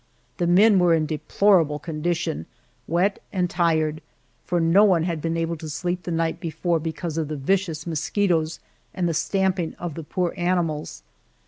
The men were in a deplorable condition, wet and tired, for no one had been able to sleep the night before because of the vicious mosquitoes and the stamping of the poor animals.